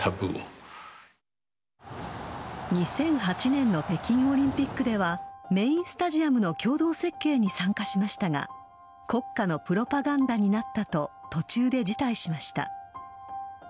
２００８年の北京オリンピックでは、メインスタジアムの共同設計に参加しましたが、国家のプロパガンダになったと、途中で辞退しました。